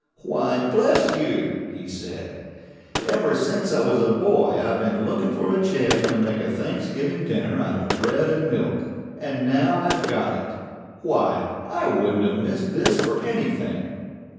"Why, bless you!" he said, "ever since I was a boy I've been looking for a chance to make a Thanksgiving dinner out of bread and milk. And now I've got it. Why, I wouldn't have missed this for anything!"